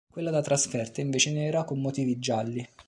Quella da trasferta è invece nera con motivi gialli.